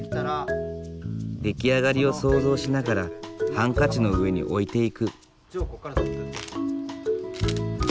出来上がりを想像しながらハンカチの上に置いていく。